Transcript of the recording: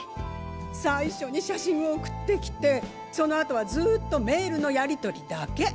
最初に写真を送ってきてそのあとはずっとメールのやり取りだけ。